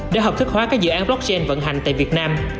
để hợp thức hóa các dự án blockchain vận hành tại việt nam